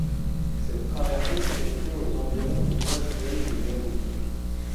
Cette traversée s'effectuait aux environs du bois actuel de Bérouy.